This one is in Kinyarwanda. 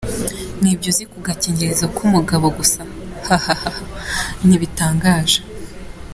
Ni ibyo uzi ku gakingirizo k’umugabo gusa? hahaha ntibitangaje.